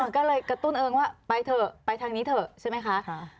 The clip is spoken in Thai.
ก็เลยกระตุ้นเองว่าไปเถอะไปทางนี้เถอะใช่ไหมคะ